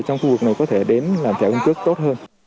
trong khu vực này có thể đến làm thẻ căn cứ tốt hơn